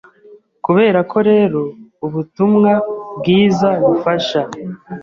Kuberako rero Ubutumwa Bwiza bufasha